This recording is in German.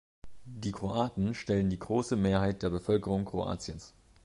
Die Kroaten stellen die große Mehrheit der Bevölkerung Kroatiens.